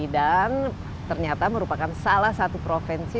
dan ternyata merupakan salah satu provinsi